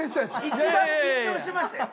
一番緊張してましたよ。